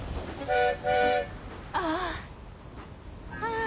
ああ。